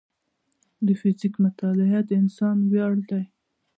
د فزیک مطالعه د انسان ویاړ دی.